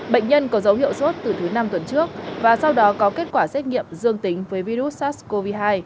bệnh nhân có dấu hiệu sốt từ thứ năm tuần trước và sau đó có kết quả xét nghiệm dương tính với virus sars cov hai